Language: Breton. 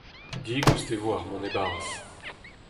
Digoust e vo ar mont e-barzh.